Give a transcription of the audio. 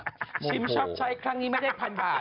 ชิมชับใช้ครั้งนี้ไม่ได้พันบาท